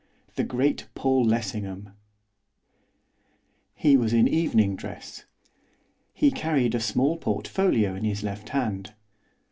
THE GREAT PAUL LESSINGHAM He was in evening dress. He carried a small portfolio in his left hand.